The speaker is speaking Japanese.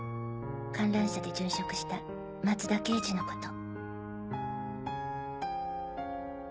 観覧車で殉職した松田刑事のこと。